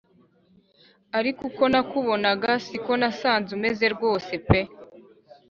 ariko uko nakubonaga si ko nasanze umeze rwose pe